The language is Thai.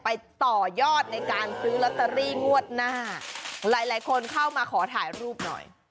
ไปต่อยอดในการซื้อลอตเตอรี่งวดหน้าหลายหลายคนเข้ามาขอถ่ายรูปหน่อย